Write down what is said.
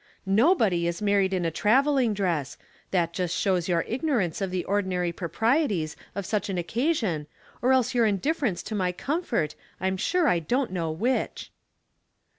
''^Nobody is mairied in a traveling dress ; that just shows your ignor ance of the ordinary proprieties of such an occasion, or else your indifference to my comfort, I'm sure I don't know which."